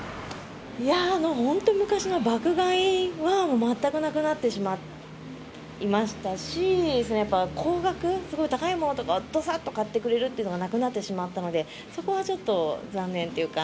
いやぁ、本当、昔の爆買いは全くなくなってしまいましたし、やっぱり高額、すごい高いものとかをどさっと買ってくれるってのがなくなってしまったので、そこはちょっと残念というか。